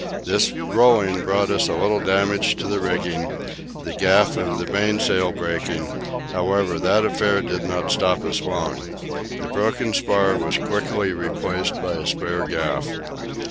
This rolling brought us a little damage to the rigging, the gaff of the mainsail breaking; however, that affair did not stop us long. The broken spar was quickly replaced by a spare gaff.